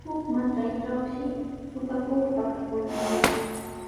Huk matraytrawshi suqakuq pakakunaq.